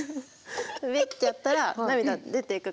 ベッてやったら涙出ていくから。